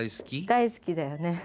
大好きだよね。